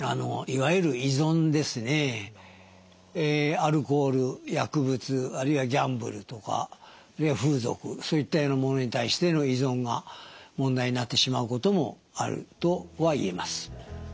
アルコール薬物あるいはギャンブルとかあるいは風俗そういったようなものに対しての依存が問題になってしまうこともあるとは言えます。